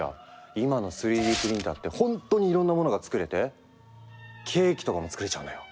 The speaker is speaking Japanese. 今の３Ｄプリンターって本当にいろんなモノが作れてケーキとかも作れちゃうのよ。